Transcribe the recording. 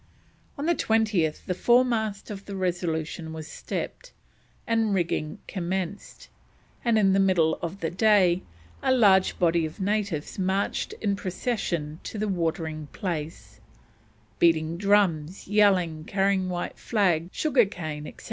On the 20th the foremast of the Resolution was stepped and rigging commenced, and in the middle of the day a large body of natives marched in procession to the watering place, beating drums, yelling, carrying white flags, sugar cane, etc.